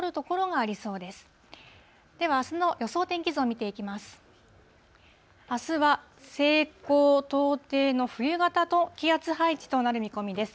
あすは西高東低の冬型の気圧配置となる見込みです。